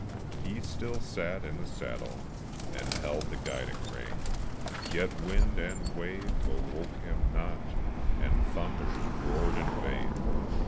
He still sat in the saddle, and held the guiding rein, Yet wind and wave awoke him not, and thunders roared in vain.